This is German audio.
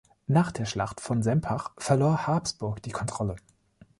Nach der Schlacht von Sempach verlor Habsburg die Kontrolle.